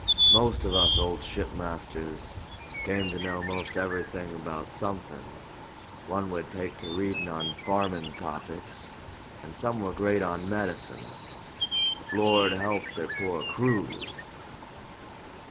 Most of us old shipmasters came to know 'most everything about something; one would take to readin' on farming topics, and some were great on medicine, but Lord help their poor crews!